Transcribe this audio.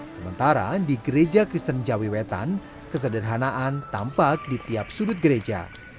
sementara di gereja kristen jawi wetan kesederhanaan tampak di tiap sudut gereja